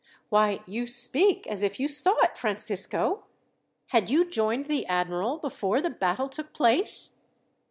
"Why, you speak as if you saw it, Francisco! Had you joined the admiral before the battle took place?"